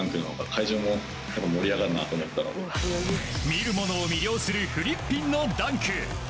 見る者を魅了するフリッピンのダンク。